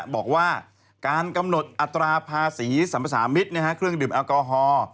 บอกว่าการกำหนดอัตราภาษีสัมภาษามิตรเครื่องดื่มแอลกอฮอล์